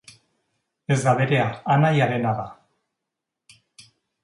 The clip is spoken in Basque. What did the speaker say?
Ez da berea, anaiarena da.